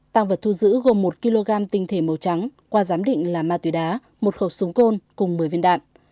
tăng vật thu giữ gồm một kg tinh thể màu trắng qua giám định là ma túy đá một khẩu súng côn cùng một mươi viên đạn